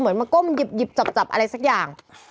เหมือนมันก้มหยิบจับอะไรสักอย่าง